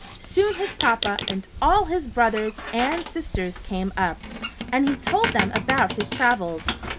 Soon his papa, and all his brothers and sisters came up, and he told them about his travels.